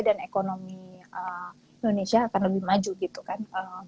dan ekonomi indonesia akan lebih maju gitu kan